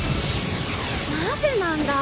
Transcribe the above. なぜなんだ？